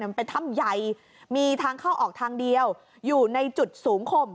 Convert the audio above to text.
มันเป็นถ้ำใหญ่มีทางเข้าออกทางเดียวอยู่ในจุดสูงข่ม